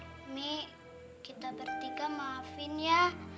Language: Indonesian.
ini kita bertiga maafin ya